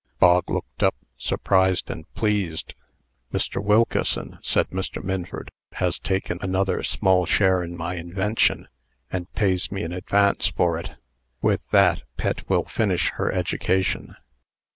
Bog looked up, surprised and pleased. "Mr. Wilkeson," said Mr. Minford, "has taken another small share in my invention, and pays me in advance for it. With that, Pet will finish her education."